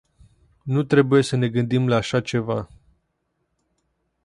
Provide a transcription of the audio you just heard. Nu trebuie să ne gândim la așa ceva.